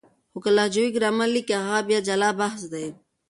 خو که لهجوي ګرامر ليکي هغه بیا جلا بحث دی.